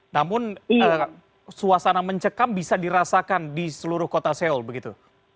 namun suasana mencekam bisa dirasakan di seluruh kota seoul begitu